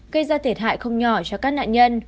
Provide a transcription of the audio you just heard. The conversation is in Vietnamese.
gây ra thiệt hại không nhỏ cho các nạn nhân